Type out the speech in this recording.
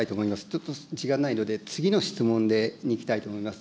ちょっと時間がないので、次の質問にいきたいと思います。